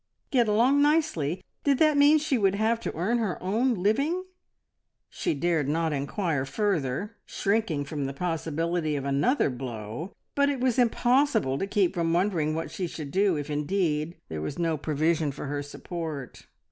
"Get along nicely!" Did that mean that she would have to earn her own living? She dared not inquire further, shrinking from the possibility of another blow, but it was impossible to keep from wondering what she should do if indeed there was no provision for her support.